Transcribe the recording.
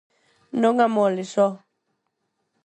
Non amoles, oh!